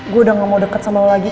gue udah gak mau deket sama lo lagi